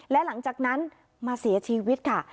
และหลังจากนั้นมาเสียชีวิตค่ะ